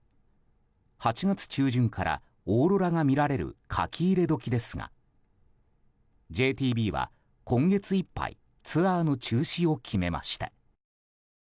８月中旬からオーロラが見られる書き入れ時ですがＪＴＢは、今月いっぱいツアーの中止を決めました。